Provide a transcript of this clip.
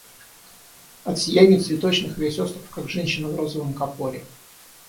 От сияний цветочных весь остров, как женщина в розовом капоре.